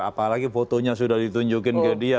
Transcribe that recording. apalagi fotonya sudah ditunjukin ke dia